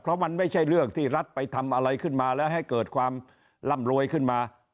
เพราะมันไม่ใช่เรื่องที่รัฐไปทำอะไรขึ้นมาแล้วให้เกิดความร่ำรวยขึ้นมา